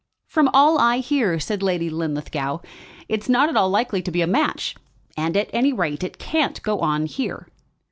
"From all I hear," said Lady Linlithgow, "it's not at all likely to be a match; and at any rate it can't go on here."